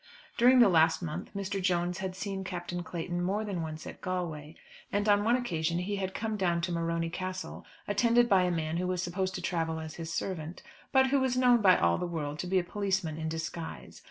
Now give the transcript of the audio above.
During the last month Mr. Jones had seen Captain Clayton more than once at Galway, and on one occasion he had come down to Morony Castle attended by a man who was supposed to travel as his servant, but who was known by all the world to be a policeman in disguise.